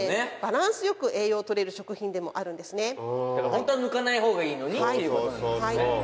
ホントは抜かない方がいいのにっていうことなんですよね